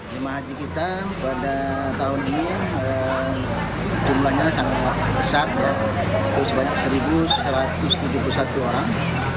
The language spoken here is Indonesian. jemaah haji kita pada tahun ini jumlahnya sangat besar itu sebanyak satu satu ratus tujuh puluh satu orang